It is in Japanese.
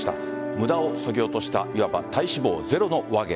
無駄をそぎ落としたいわば体脂肪ゼロの話芸。